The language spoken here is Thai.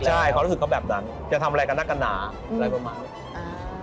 ใช่เขารู้สึกเขาแบบนั้นจะทำอะไรกันนักกันหนาอะไรประมาณนี้